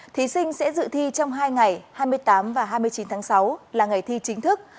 thí sinh sẽ dự thi trong hai ngày hai mươi tám và hai mươi chín tháng sáu là ngày thi chính thức